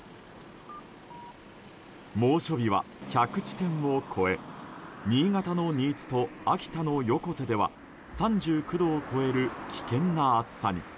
猛暑日は１００地点を超え新潟の新津と秋田の横手では３９度を超える危険な暑さに。